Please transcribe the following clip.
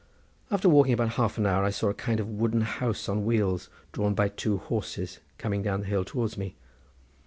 After walking about half an hour I saw a kind of wooden house on wheels drawn by two horses coming down the hill towards me.